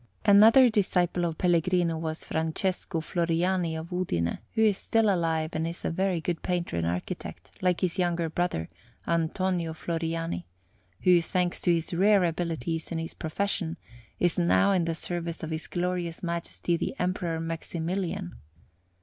Another disciple of Pellegrino was Francesco Floriani of Udine, who is still alive and is a very good painter and architect, like his younger brother, Antonio Floriani, who, thanks to his rare abilities in his profession, is now in the service of his glorious Majesty the Emperor Maximilian.